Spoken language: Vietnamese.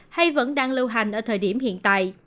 hay vẫn đang lưu hành ở thời điểm hiện tại